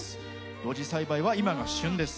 露地栽培は、今の旬です。